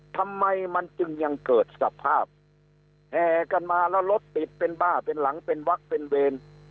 ทำไมมันจึงยังเกิดสภาพแห่กันมาแล้วรถติดเป็นบ้าเป็นหลังเป็นวักเป็นเวร